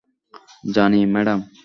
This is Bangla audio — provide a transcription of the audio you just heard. জানি, ম্যাডাম।